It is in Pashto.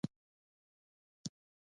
هر ستوری یو تاریخ لري.